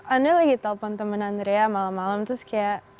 andré lagi telpon temen andré ya malam malam terus kayak